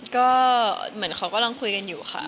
ก็เหมือนเขากำลังคุยกันอยู่ค่ะ